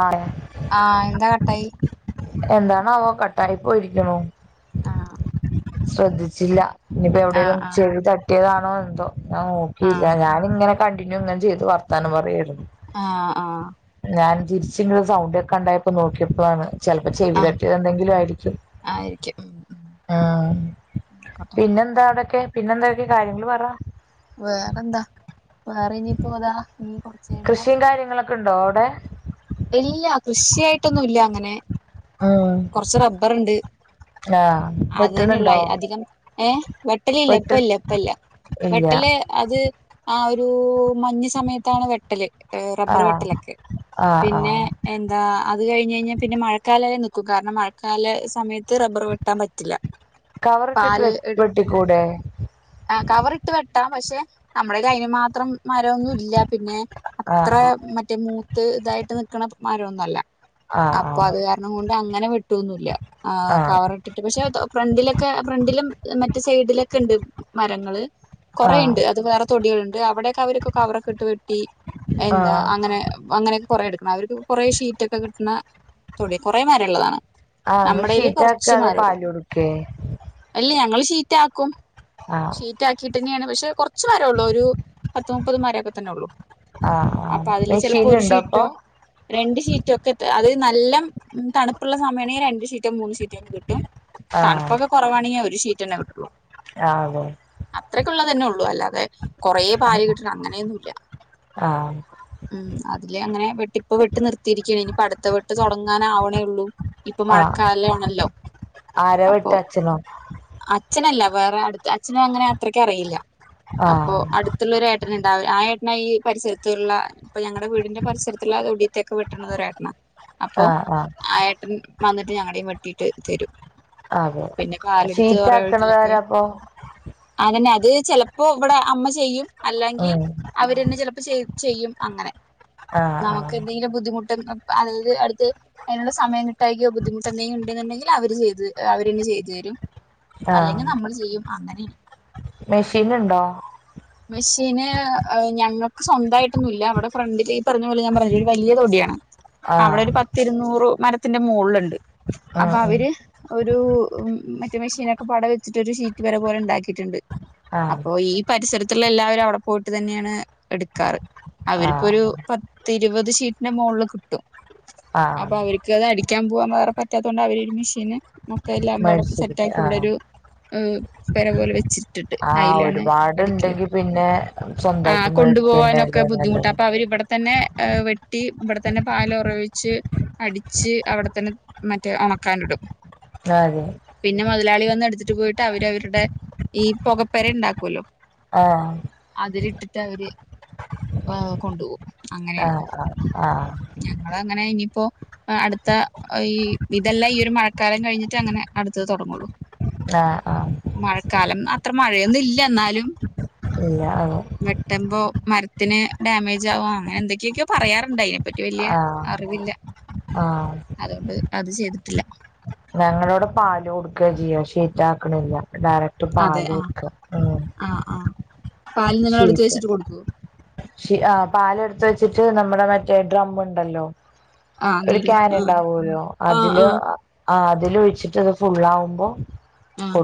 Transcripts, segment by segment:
ആഹ് ആ എന്താ കട്ടായി എന്താണാവോ കട്ടായിപോയിരിക്കണു ആഹ് ശ്രദ്ധിച്ചില്ല ആഹ് ഇനീപ്പമെവിടേലും ആഹ് ചെവി ത തട്ടിയതാണോ എന്തോ ഞാൻ നോക്കിയില്ല ഞാനിങ്ങനെ കണ്ടിന്യൂ ഇങ്ങനെ ചെയ്ത് വർത്താനം പറയാരുന്നു ആഹ് ആ തിരിച്ചിങ്ങട് സൗണ്ട് കേൾക്കണ്ടായപ്പം നോക്കിയപ്പളാണ് ചെലപ്പം ചെവി ആഹ് തട്ടിയതെന്തെങ്കിലും ആയിരിക്കും ആയിരിക്കും ഉം ഉം ആഹ് ആയിക്കോട്ടെ പിന്നെന്താ ക്കെ പിന്നെന്തൊക്കെ കാര്യങ്ങളു പറ വേറെന്താ വേറെ ഇനിയിപ്പോ [unintelligible] ഇനി കുറച്ചു കഴിയുമ്പോ ക്കുണ്ടോ അവിടെ എല്ല കൃഷിയായിട്ടൊന്നും ഇല്ല അങ്ങനെ ഉം കുറച്ച് റബ്ബർണ്ട് ആഹ് അത് തന്നെയുള്ള വെട്ടണുണ്ടോ അധികം ഏ വെട്ടല ഇല്ല ഇപ്പ വെട്ട് ഇല്ല ഇപ്പ ഇല്ല ഇല്ല വെട്ടല് അത് ആ ഒരു ഒരു മഞ്ഞ് സമയത്താണ് വെട്ടല് റബ്ബർ ആഹ് വെട്ടലൊക്കെ ആഹ് പിന്നെ ആഹ് എന്താ അത് കഴിഞ്ഞ് കഴിഞ്ഞാൽ പിന്നെ മഴക്കാല കാരണം മഴക്കാല സമയത്ത് റബ്ബർ വെട്ടാൻ പറ്റില്ല കവറിട്ടിട്ട് വെ പാല് എട് വെട്ടിക്കൂടെ ആ കവറിട്ട് വെട്ടാം പക്ഷെ നമ്മുടെ കൈയിൽ അതിനും മാത്രം ആരോഗിയം പിന്നെ അത്ര ആഹ് മറ്റേ മൂത്ത് ഇതായിട്ട് നിക്കണ മരൊന്നല്ല ആഹ് അപ്പൊ ആഹ് അത് കാരണം കൊ അങ്ങനെ വി ട്ടൊന്നുല്ല ആഹ് കവർ ഇട്ടിട്ട് പക്ഷെ ഫ്രണ്ടിലൊക്കെ ഫ്രണ്ടിലും മറ്റേ സൈഡിലൊക്കെ ണ്ട് മരങ്ങള് ആഹ് കുറെണ്ട് അത് വേറെ തൊടിയൾ അവടെ അവരൊക്കെ കവറക്കെ ഇട്ട് വെട്ടി എന്താ ആഹ് അങ്ങനെ അങ്ങനെ കുറ എടുക്കണം അവർക്ക് കുറേ ഷീറ്റ് ഒക്കെ കിട്ട്ന്ന തൊടിയ കുറേമര ള്ളതാണ് ആ ഇങ്ങൾ ഷീറ്റാക്ക അതോ പാലൊട് ക്കേ ശീറ്റാക്കും ഷീറ്റ് ആക്കിട്ടന്നെയാണ് പക്ഷെ കൊറച്ച് മരള്ളൂ ഒരു പത്ത് മുപ്പത് മരം തെന്നൊള്ളൂ ആഹ് ആഹ് അപ്പൊ അതില് ചെലപ്പോ ഒരു മെഷീന്ണ്ടോ അപ്പൊ ഷീറ്റോ രണ്ട് ഷീറ്റോ ഒക്കെ അത് നല്ലം തണുപ്പുള്ള സമയണെങ്കി രണ്ട് ഷീ റ്റോ മൂന്ന് സീറ്റക്കെ കിട്ടും ആഹ് തണുപ്പൊക്കെ കുറവാണെങ്കിൽ ഒരുഷീറ്റെന്നെ കിട്ടൊള്ളൂ ആഹ് അതെ അത്രയ്ക്കുള്ള തന്നെ ഉള്ളൂ അല്ലതെ കൊറേ പാല് കിട്ടിണ അങ്ങനെയൊന്നുല്ല ആഹ് ഉം അതില് അങ്ങനെ വെട്ട ഇപ്പ വെട്ട് നിർത്തിരിക്കാണ് ഇനിപ്പ അടുത്ത വെട്ട് തൊട ങ്ങാനവണേള്ളൂ ഇപ്പൊ ആഹ് മഴക്കാലമാണല്ലോ ആരാ വെട്ട അപ്പൊ അച്ഛനോ അച്ഛനല്ല വേറെ അടുത്ത് അച്ഛന് അങ്ങനെ അത്രക്കറിയില്ല അപ്പോ ആഹ് അടുത്തുള്ളൊരേ ട്ടന്ണ്ടാവ ആ എട്ടന ഈ പരിസരത്തുള്ള അപ്പ ഞങ്ങടെ വീടിന്റെ പരിസരത്ത്ള്ള തൊടി ടിക്കെ വെട്ടണത് ഒരേട്ടന അപ്പൊ ആഹ് ആഹ് ആ ഏട്ടൻ വന്നിട്ട് ഞങ്ങടെയും വെട്ടിട്ട് തരും ആ അതെ പിന്നെ പക്ഷെ ഈ പാലെടുത്ത് റ്റക്കണതാരാ പ്പൊ പിന്നെ അത് ചെലപ്പോ വടെ അമ്മ ചെയ്യും അല്ലെങ്കിൽ ഉം അവര്ന്നെ ചെലപ്പോ ചെയ ചെയ്യും അങ്ങനെ ആഹ് നമുക്ക് ആഹ് എന്തെങ്കിലും ബുദ്ധിമുട്ട് [inaudible] അടുത്ത് അതിനുള്ള സമയം കിട്ടക്കയോ ബുദ്ധിമുട്ട് എന്തെങ്കിലും ഉണ്ടെന്നുണ്ടെങ്കിൽ അവര് തന്നെ ചെയ്തു തരും അല്ലെങ്കിൽ നമ്മൾ ചെയ്യും അങ്ങനെ മെഷീൻണ്ടോ മഷീന് ഞങ്ങൾക്ക് സ്വന്തമായിട്ടൊന്നുമ ഇല്ല അവിടെ ഫ്രണ്ടില് ഈ പറഞ്ഞ പോലെ ഞാൻ പറഞ്ഞ ഒരു വലിയ തൊടിയാണ് അവിടെ ആഹ് ഒരു പത്തിരുന്നൂറ് മരത്തിന്റെ മുകളിലുണ്ട് ഉം അപ്പൊ ഉം അവര് ഒരു മറ്റ മെഷീനൊെ പട വെച്ചിട്ട് ഷീറ്റ് പേര പോലെണ്ടിയിട്ടുണ്ട് ആഹ് അപ്പൊ ഈ പരിസരത്തുള്ള എല്ലാവരും അവിടെ പോയിട്ട് തന്നെയാണ് എടുക്കാറ് അവർക്ക്ൊരു ആഹ് പത്തി ഇരുപത് ഷീറ്റിന്റെ മുകളില് കിട്ടും ആഹ് അപ്പൊ അവർക്ക്ത അടു ക്കാൻ പോവാൻ വേറെ പറ്റാത്തൊണ്ട് അവര് ഒരു മെഷീന് മക്കെ എല്ലാം വട സെറ്റ മേടിച്ചിരിക്ക ആഹ് ഇവിടെരു ് പര പോലെ വെച്ചി ആഹ ഒരുപാടുണ്ടെങ്കി പിന്നെ ആഹ് സ്വന്തായിട്ട് കൊണ്ടുപോവാനൊക്കെ മേടിക്കേണ്ടല്ലേ നല്ല ബുദ്ധിമുട്ടാ അപ്പൊ അവര് ഇവിടെ തന്നെ വെട്ടി ഇവിടെ തന്നെ പാൽ ഉറ ഒഴിച്ച് അടിച്ച് അവിടെ തന്നെ മറ്റേ ഉണക്കാനിടും അതെ മുതലാളി വന്ന് എടുത്തിട്ട് പോയിട്ട് അവര അവരുടെ ഈ പുകപ്പെര ഉണ്ടാക്കല്ലോ ആഹ അതിരി ഇട്ടിട്ട് അവര് കൊണ്ടുപോവും ആഹ ആ് ആഹ അങ്ങനെ ഇനിയിപ്പോ അടുത്ത ഇഹ് ഇതല്ല ഈ ഒരു മഴക്കാലം കഴിഞ്ഞിട്ട് അങ്ങനെ അടുത്തത് തൊടങ്ങുവൊള്ളൂ ആഹ് ആഹ് കാലം അത്ര മഴയൊന്നും ഇല്ല എന്നാലും ഇല്ല അതെ. വെട്ടുമ്പോ മരത്തിന് ഡാമേജ് ആവാ അങ്ങനെ എന്തൊക്കെയൊക്കെയ പറയാറുണ്ട് അതിനെപ്പറ്റി വല്യ ആഹ് അറിവില്ല ആഹ് അതുകൊണ്ട് അത് ചെയ്തിട്ടില്ല ഞങ്ങളവിടെ പാല് കൊടുക്ക ചെയ്യ ഷീറ്റ് ആക്കണില്ല ഡയറക്ട് അതെ പാല് ആഹ് കൊടുക്കാ ആഹ് ആഹ് പാല് നിങ്ങള് എടുത്ത് ഷീറ്റ് വെച്ചിട്ട് കൊടുക്കുവോ ഷ് ആഹ് പാൽ എടുത്ത് വെച്ച് വെച്ചിട്ടു നമ്മുടെ മറ്റേ ഡ്രം ഉണ്ടല്ലോ ആഹ് ഒരു നീല ക്യാൻ ആഹ് ഉണ്ടാവോല്ലോ ആഹ് അതില് ആഹ് ആ അതില് ഒഴിച്ചിട്ട്ത് അത് ഫുള്ള് ആവുമ്പോ ആഹ്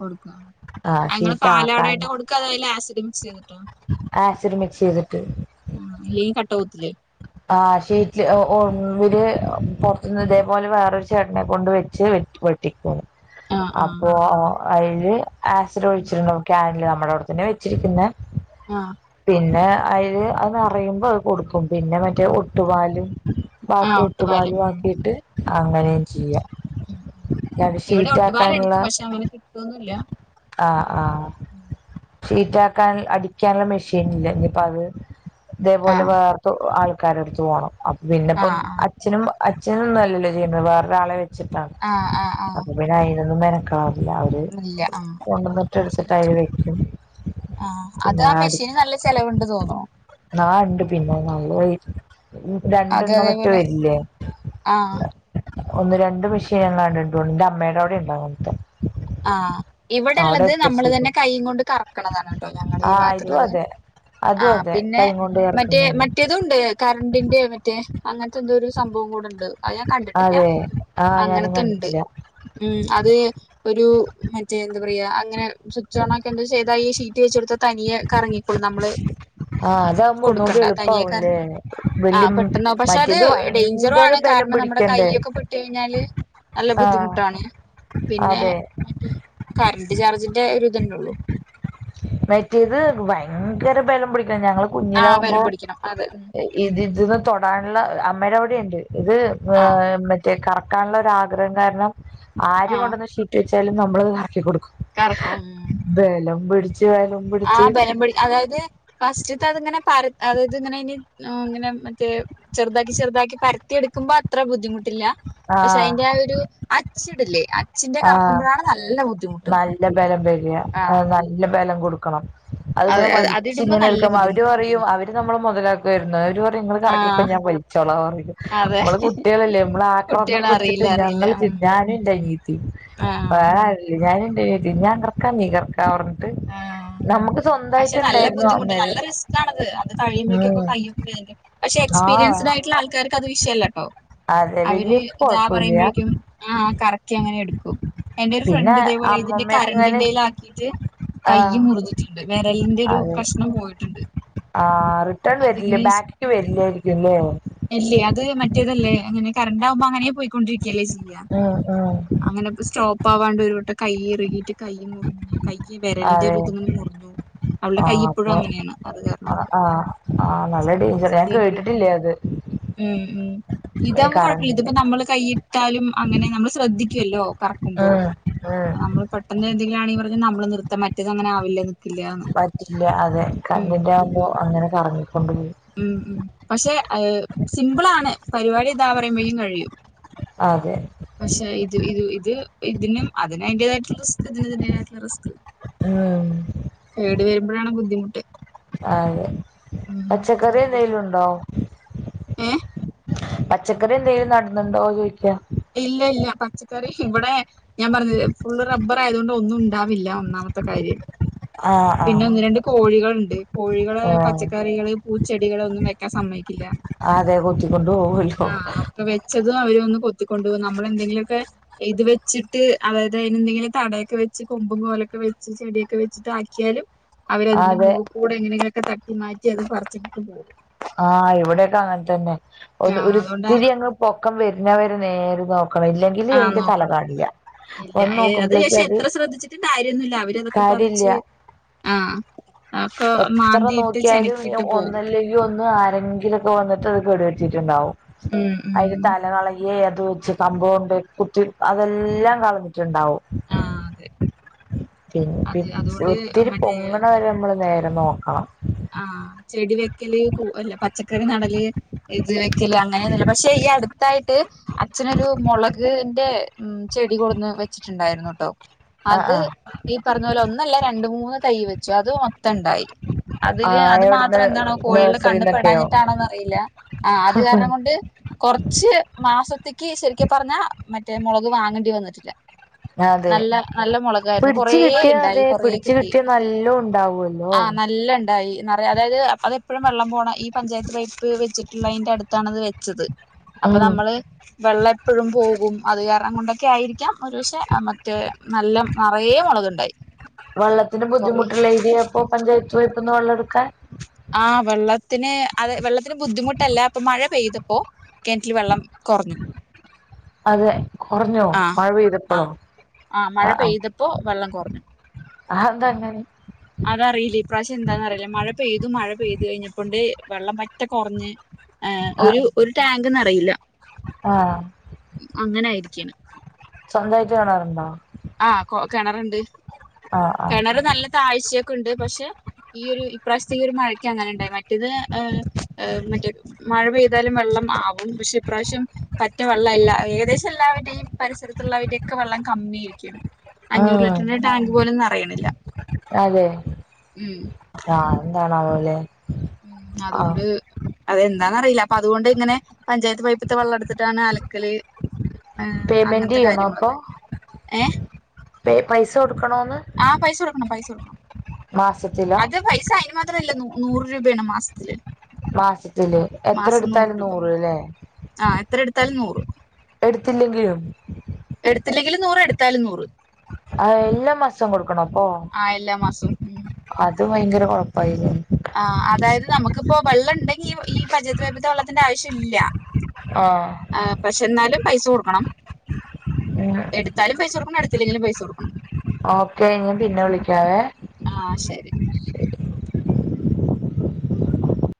കൊടുക്കുക ആ അങ്ങള് ഷീറ്റാക്കാൻ പാലാടായിട്ട് കൊടുക്കാ അതല്ല ആസിഡും ചെയ്തിട്ടോ ആസിഡ് മിക്സ് ചെയ്തിട്ട് ആഹ് [unintelligible] ആഹ് ഷീറ്റില് ആഹ് ഒര് പൊറത്തുന്ന് ഇതേപോലെ വേറൊരു ചേട്ടനെ കൊണ്ട് വെച്ച് വെട്ടിക്കുന്നു ആഹ് ആഹ് അപ്പോ ഏഴ് ആസിഡ് ഒഴിച്ചിരുന്നു ക്യാനിൽ നമ്മുടെ അവിടെ തന്നെ വെച്ചിരിക്കുന്നെ ആഹ് പിന്നെ അയിൽ അത് നിറയുമ്പോ അത് കൊടുക്കും പിന്നെ മറ്റേ കൊടുക്കും ആഹ് ഒട്ടുപാലും ബാക്കി ആഹ് ഒട്ടുപാല് ഒട്ടുപാലും ഉം ആക്കിട്ട് ഉം അങ്ങനെയും ചെയ്യാം ഉം ഉം ഇവിടെ ഷീറ്റ് ഒട്ടുപാല് ആക്കാനുള്ള എടുക്കും പക്ഷെ അങ്ങനെ കിട്ടൊന്നുല്ല ആഹ് ആഹ് ഷീറ്റാക്കാൻ അടിക്കാനുള്ള മെഷീൻ ഇല്ലേ ഇനിപ്പോ അത് ഇതേപോലെ ആഹ് വേർത് ആള് കാർടെടുത്ത് പോകണം അപ്പ പിന്നെപ്പൊ ആഹ് ആഹ് അച്ഛനും അച്ഛനൊന്നുമല്ലല്ലോ ചെയ്യുന്നത് വേറൊരു ആളെ വെച്ചു ആഹ് ആഹ് ആഹ് [unintelligible] അവര് ഇല്ല ആഹ് ആഹ് കൊണ്ടന്നിട്ട് എടുത്തിട്ട് അയിൽ ശരി വെക്കും ആഹ് അത് ആ പിന്നാടി മെഷീന് നല്ല ചെലവുണ്ട് തോന്നുണു ആഹ് ഉണ്ട് പിന്നവര് [unintelligible] അത് രണ്ടെണ്ണോ മറ്റോ അതേപോലെ വരില്ലേ ആഹ് ഒന്ന് രണ്ട് മെഷീനെങ്ങാണ്ട്ണ്ടുണ്ട് എന്റെ അമ്മയുടെ അവിടെ ഉണ്ട് അങ്ങനത്തെ ആഹ് അവിടെ ഇവിടെള്ളത് നമ്മൾ തന്നെ എത്തിച്ചേരും കൈയ്കൊണ്ട് കറക്കണതാണ് കേട്ടോ ഞങ്ങളുടെ ഈ ആ ഇതും ഭാഗത്തുള്ളത് അതെ ആ അതും അതെ പിന്നെ കൈ കൊണ്ട് മറ്റേ ചേർക്കുന്നതന്നെ മറ്റേതുമുണ്ട് കറണ്ടിന്റെ മറ്റേ അങ്ങനത്തെ എന്തോ ഒരു സംഭവം കൂടെ ഉണ്ട് അത് ഞാൻ കണ്ടിട്ടില്ല അതെ ആ ഞാനും അങ്ങനത്തെണ്ട് കണ്ടിട്ടില്ല അതു ഒരു മറ്റേ എന്താ പറയാ അങ്ങന സ്വിച്ച് ഓണാക്കി എന്തൊ ചെയ്ത ഈ ശീറ്റ് വെച്ച് കൊടുത്ത തനിയെ കറങ്ങിക്കൊളും നമ്മള് ആഹ് അതാവുമ്പോ ഒന്നുകൂടി കൊടുക്കണ്ട തനിയെ ക എളുപ്പാവുംല്ലേ ആ വല്യ പെട്ടെന്നോ പക്ഷെ അത് മറ്റേത് ഡേയ്ഞ്ചറു ഭയങ്കര ആണ് ബലം കാരണം നമ്മുടെ പിടിക്കണ്ടേ കൈയൊക്കെ പെട്ട് കഴിഞ്ഞാല് നല്ല ആഹ് ബുദ്ധിമുട്ടാണ് പിന്നെ അതെ മറ്റേ കറന്റ് ചാർജിന്റെ ഒരു ഇതന്നെ ഉള്ളു മറ്റേത് ഭയങ്കര ബലം പിടിക്ക ഞങ്ങള് ആഹ് കുഞ്ഞിലാവുമ്പോ ബലം പിടിക്കണം അതെ ഉം ഇത് ഇത് തൊടാനുള്ള അമ്മയുടെ അവിടെ ഉണ്ട് ഇത് ആഹ് എ മറ്റേ കറക് ക്കാനുള്ള ഒരു ആഗ്രഹം കാരണം ആരും ആഹ് കൊണ്ടന്ന ഷീറ്റ് വച്ചാലും നമ്മളത് കറക്കി കൊടുക്കും കറക്കും ബിഡിച്ച് ജ [unintelligible] ആ ബലംപിടി അതായത് ഫസ്റ്റത്ത അതിങ്ങനെ പര അതെത്ങ്ങനെ ആ അങ്ങനെ മറ്റേ ചെറുതാക്കി ചെറുതാക്കി പരത്തി എടുക്കുമ്പ എത്ര ബുദ്ധിമു ട്ടില്ല പക്ഷെ ആഹ് അതിന്റെ ആ ഒരു അച്ചി ടില്ലേ ആഹ് നല്ല ബലംമ്പര്യാ ആ ആഹ് നല്ല ബലം കൊടുക്കണം അതിങ്ങനെ അതെ അത് വലിച്ച് അതിടുമ്പോ ഇങ്ങനെ നല്ല എടുക്കമ്പ അവര് ബുദ്ധിമുട്ടാ പറയും അവര് നമ്മള് മുതലാക്കുവമായിരുന്നു അവര് പറയും നിങ്ങള് കറക്കിക്കോ ആഹ് ഞാൻ വലിച്ചോള അതെ നമ്മള് കുട്ടികളല്ലേ നമ്മൾ ആക്രാദം കുട്ടികള് പിടിച്ചിട്ട് അറിയില്ല അറിയില്ല ഞങ്ങൾ ഉം ഞാനും എന്റെ അനിയത്തി [unintelligible] ആഹ് ഞാനും എൻ്റെ ചേച്ചിയും ഞാൻ കറക്ക നി കറക്ക് ആ പക്ഷെ നല്ല ഉണ്ടായിരുന്നു ബുദ്ധിമുട്ട് അമ്മേടെ നല്ല റിസ്‌ക് ആണത് അത് ഉം കഴിയുമ്പോഴേക്കുക്കൊക്കെ കയ്യൊക്കെ വേദന പക്ഷെ ആഹ് എക്സ്പീരിയൻസ്ഡ ആയിട്ടുള്ള ആൾക്കാർക്ക് അത് വിഷയല്ലട്ടോ അതെ അവര് വല്യോർക്ക് ഇതാ കൊഴപ്പമില്ല പറയുമ്പോഴേക്കും ആ അങ്ങനെ എടുക്കും എന്റെ ഒരു പിന്നെ ഫ്രണ്ട് ഇതേപോലെ ഇതിന്റെ അമ്മമ്മയൊക്കെ ഇങ്ങനെ കറണ്ടിമേൽ ആക്കീട്ട് കൈ ആഹ് മുറഞ്ഞിട്ടുണ്ട് വിരലിന്റെ ഒരു അതെ കഷ്ണം പോയിട്ടുണ്ട് ആഹ് റിട്ടേൺ വരില്ല അതിങ്ങനെ ബാക്കിക്ക് വരില്ലായിരിക്കും ല്ലേ അല്ലേ അത് മറ്റേതല്ലേ അങ്ങനെ കറണ്ട പ അങ്ങനെയേപൊയ് ല്ലേ ചെയ്യ ഉം ഉം അങ്ങനെ ഇപ്പ സ്റ്റോപ്പ് ആവാണ്ട് കൈ ഇറുകിയിട്ട് കൈ മുറിഞ്ഞ് കൈ വിരലിന്റെ അതെ ഒരു ഇത്ങ്ങനെ മുറിഞ്ഞു. അവളുടെ ആ കൈഇപ്പഴും അപ്പൊ അങ്ങനെയാണ് അത് കാരണം ആ കൊണ്ട് ആ ആ നല്ല ഡെയിൻജർ ഞാൻ ശ്രദ്ധിച്ചിട്ടില്ലെങ്കിൽ കേട്ടിട്ടില്ലേ അത് ഉം ഉം കറങ്ങി ഇട്ടാലും അങ്ങനെ നമ്മള് ശ്രദ്ധിക്കുവല്ലോ കറക്കുമ്പോ ഉം ഉം നമ്മള് പെട്ടന്ന് [unintelligible] പർന് നമ്മള് നൃത്തം മറ്റത് അങ്ങനൊവില്ലന്ന് പറ്റില്ല അതെ കണ്ണിന്റെ ആകുമ്പോ അങ്ങനെ കറങ്ങി ഉം ഉം പക്ഷെ സിംപിൾ ആണ് പരിപാടി ഇതാ പറയുമ്പഴും കഴിയും അതെ പക്ഷെ ഇത് ഇത് ഇത് ഇത് ഇതിനും അതിന് അതിന്റേതായിട്ടുള്ള റിസ്ക് ഇതിനു ഇന്തിന്റേതായിട്ടുള്ള റിസ്ക് ഉം കേട് വരുമ്പഴാണ് ബുദ്ധിമുട്ട് അതെ ഉം പച്ചക്കറി ചെറകുട്ട് എന്തെലുണ്ടോ ഏഹ് പച്ചക്കറി എന്തെങ്കിലും നടന്നുണ്ടോ ചോയ്ക്ക ഇല്ല ഇല്ല പച്ചക്കറി ഇവിടെ ഞാൻ പർഞ്ഞില്ലേ ഫുള്ള് റബ്ബർ ആയതോണ്ട് ഒന്നും ഉണ്ടാവില്ല ഒന്നാമത്തെ കാര്യം ആ ആ പിന്നെ ഒന്ന് രണ്ട് കോഴികളുണ്ട് കോഴികള് ആ പച്ചക്കറികള് പൂച്ചെടികൾ ഒന്നും വെക്കാൻ സമ്മതിക്കില്ല അതെ കുത്തിക്കൊണ്ട് പോവല്ലോ ആ ഒക്കെ വെച്ചതും അവര് ഒന്ന് കൊ ച്ച് കൊണ്ട് വന്ന് നമ്മളെന്തെങ്കിലൊക്കെ ഇത് വെച്ചിട്ട് [unintelligible] തടയൊക്കെ വെച്ച് കൊമ്പും കോലൊക്കെ വെച്ച് ചെടിയൊക്കെ വെച്ചിട്ട് ആക്കിയാലും അവരതിന്റെ അതെ മൂക്കൂടെ എങ്ങനെങ്കിലൊക്കെ ത വി മാറ്റി അത് പറച്ചിട്ടിട്ട് പോകും ആ ഇവിടെക്കെ അങ്ങൻതന്നെ ഒത് ആഹ് അതുകൊണ്ടാ ഒരിത്തിരി അങ്ങ് പൊക്കം വര്ണവരെ നേര് നോക്ക മക്കള ഇല്ലെങ്കില് ആഹ് അയിന്റെ തല നോക്കണം കാടില്ല ഇല്ല അയ് അത് അശെ എത്ര ശ്രദ്ധിച്ചിട്ടും കാര്യന്നുല്ല അവര് അതൊക്കെ കാര്യല്ല പർച്ച്‌ ആ ഒക്കെ എത്ര മാന്തീട്ട് നോക്കിയാലും ചെനക്കിയിട്ട് പോകും ഒന്നല്ലെങ്കിൽ ഒന്ന് ആരെങ്കിലൊക്കെ വന്ന്ട്ട് അത് കേടര്ത്തിട്ടുണ്ടാവും ഉം ഉം അതിന് തലകളകിയ എ അത് വെച്ച് കമ്പൗണ്ട് കുത്തി അതെല്ലാം കളഞ്ഞിട്ടുണ്ടാവും ആഹ് അതെ പി പി അത് അതുകൊണ്ട് ഒത്തിരി മറ്റേ പൊങ്ങണ വരെ നമ്മള് നേര് ഞ നോകാം ആ ചെടി വെക്കല് അല്ല പച്ചക്കറി നടല് ഇത് വെക്കൽ അങ്ങനെന്നൂല്യ പക്ഷെ ഈ അടുത്തായിട്ട് അച്ഛനൊരു മുളക്ന്റെ ഉ ചെടി കൊടുന്ന് വെച്ചിട്ടുണ്ടായിരുന്ട്ടൊ ആഹ് അത് ആഹ് ഈ പറഞ്ഞ പോലെ ഒന്നല്ല രണ്ട മൂന്ന് തൈ വെച്ചു അത് മൊത്തംഇണ്ടായി അതില് ആഹ് അത് മാത്രം എവിടുന്ന് എന്താണോ പോയള്ളൂ കണ്ണി നഴ്സറിന്നൊക്കെയോ പെടഞ്ഞിട്ടാണോന്ന് അറിയില്ല ആ അത് കാരണം കൊണ്ട് കൊറച്ച് മാസത്തേക്ക് ശരിക്കും പറഞ്ഞാ മറ്റ് റ്റേ മൊളക് വാങ്ങേണ്ടി വന്നിട്ടില്ല അതെ നല്ല നല്ല മുളകായിരുന്നു കൊറേ പിടച്ച് കിട്ടിയ ഇണ്ടായി അതെ കൊറേ പിടിച്ചു കിട്ടി കിട്ടിയാ നല്ലോ ഉണ്ടാവല്ലോ ഉണ്ടായി നിറയെ അതായത് അതെ പ്പഴും വെള്ളം പോണ ഈ പഞ്ചായത്ത് പൈപ്പ് വെച്ചിട്ടുള്ളഅ തിന്റെ അടുത്താണ് അത് വെച്ചത് അപ്പൊ ഉം നമ്മള് വെള്ളെപ്പഴും പോകും അത് കാരണ് അയുകൊണ്ടൊക്കെ ആയിരിക്കാം ഒരു പക്ഷേ മ്മക്കെ നല്ല നിറയ മുളകൊണ്ടായി വെള്ളത്തിന് ബുദ്ധിമുട്ടില്ല ഇതെ യിപ്പോ പഞ്ചായത്ത് പൈപ്പ് ന്നു വെള്ളം എടുക്കാൻ ആ വെള്ളത്തിന് അത് വെള്ളത്തിന് ബുദ്ധിമുട്ടല്ല അപ്പൊ മഴ പെയ്തപ്പോ കിണറ്റിൽ വെള്ളം കുറഞ്ഞു അതെ കൊറഞ്ഞോ ആഹ് മഴ പെയ്തപ്പോഴോ ആഹ് ആഹ് മഴ ആ ആ പെയ്തപ്പോ വെള്ളം കുറഞ്ഞു അതെന്താങ്ങനെ അതറിയില്ല ഇപ്രാശ്യമ് എന്താന്നറിയില്ല മഴ പെയ്തു മഴ പെയ്തു കഴിഞ്ഞപ്പൊണ്ടേ വെള്ളം പറ്റേ കൊ റഞ്ഞ് ആ ഒരു ഒരു ടാങ്ക് നിറയെ ഐല ആ അങ്ങനായിരിക്കണ് സ്വന്തയായിട്ട് കാണാറുണ്ടോ ആ കൊ കെണറുണ്ട് ആഹ് ആഹ് കെണറ് നല്ല താഴ്ചയൊക്കെ ഉണ്ട് പക്ഷെ ഈയൊരു ഇപ്രാവശ്യത്തെ ഈ ഒരു മഴക്ക് അങ്ങനെ ഉണ്ടായി മറ്റേത് മറ്റേ മഴ പെയ്താലും വെള്ളം ആവും കിണർ നല്ല തയ്ച്ചക്കുണ്ട് പക്ഷെ ഇപ്രാവശ്യം പറ്റ വെള്ളം അല്ല ഏകദേശം എല്ലാരുടെയും എല്ലാരുടെയും പരിസരത്തുള്ളവരുടെയൊക്കെ വെള്ളം കമ്മിയി ശഓെ [unintelligible] അഞ്ഞൂറ് ഉം ലിറ്ററിന്റെ ടാങ്ക് പോലും നെറയണില്ല ഉം എന്താാണ് ഓലെ അതുകൊണ്ട് അതെന്താന്ന റിയില്ല അപ്പൊ അതുകൊണ്ട് ഇങ്ങനെ പഞ്ചായത്ത് പൈപ്പത്തെ വെള്ളം എടുത്തിട്ടാണ് അലക്കല് പേമെന്റ് അങ്ങനത്തെ ചെയ്യണോ അപ്പോ കാര്യങ്ങളൊക്കെ ഏഹ് പേ പൈസ് ആ പൈസ കൊടുക്കണം പൈസ കൊടുക്കണം മാസത്തിലോ അത് പൈസ അയിന്മാത്രില്ലൊന്നും നൂറ് രൂപയാണ് മാസത്തില് മാസത്തില് മാസം എത്രെടുത്താലും രൂപ നൂറ് അല്ലേ ആഹ് എത്ര എടുത്താലും നൂറ് എടുത്തില്ലെങ്കിലും എടുത്തില്ലെങ്കിൽ നൂറ് എടുത്താലും നൂറ് അ എല്ലാ മാസം കൊടുക്കും കൊടുക്കണം ഓ ആ എല്ലാ മാസവും ഉം. അത് ഭയങ്കര കുഴപ്പായില്ല ആ അതായത് നമുക്കിപ്പോ വെള്ളം ഉണ്ടെങ്കി ഈ പഞ്ചായത്ത്പൈപ്പ് വെള്ളത്തിന്റെ ആവശ്യം ഇല്ല ആഹ് ആ പക്ഷെ എന്നാലും പൈസ കൊടുക്കണം എടുത്താലും പൈസ കൊടുക്കണം എടുത്ത എടുത്തിലെങ്കിലും പൈസ കൊടുക്കണം ഓക്കെ ഇൻ പിന്നെ വിളിക്കാവേ ആ ശരി ശെരി